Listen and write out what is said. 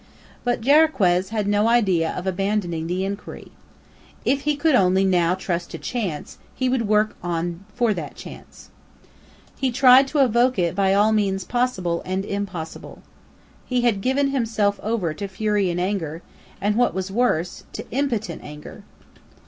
But Jarriquez had no idea of abandoning the inquiry. If he could only now trust to chance, he would work on for that chance. He tried to evoke it by all means possible and impossible. He had given himself over to fury and anger, and, what was worse, to impotent anger!